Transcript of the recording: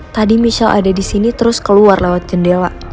tadi michelle ada disini terus keluar lewat jendela